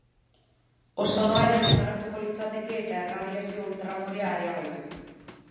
Ozonoa ere desagertuko litzateke eta erradiazio ultramorea areagotu.